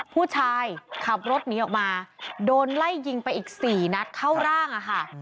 ขับรถหนีออกมาโดนไล่ยิงไปอีก๔นัดเข้าร่างอะค่ะ